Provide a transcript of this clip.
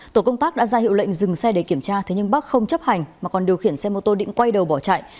tổ công tác đã ra hiệu lệnh dừng xe để kiểm tra thế nhưng bắc không chấp hành mà còn điều khiển xe mô tô định quay đầu bỏ chạy